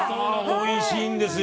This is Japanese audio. おいしいんですよ。